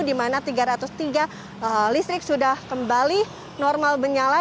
di mana tiga ratus tiga listrik sudah kembali normal menyala